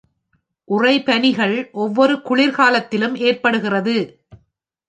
உறைபனிகள் ஒவ்வொரு குளிர்காலத்திலும் ஏற்படுகிறது.